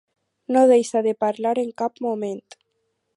No deixa de parlar en cap moment.